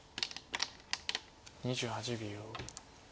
２８秒。